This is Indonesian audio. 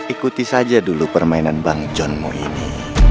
ikuti saja dulu permainan bang johnmu ini